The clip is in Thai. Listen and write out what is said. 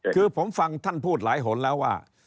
คือผมฟังท่านพูดหลายหนแล้วว่า